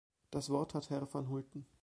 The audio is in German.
Das Wort hat Herr van Hulten.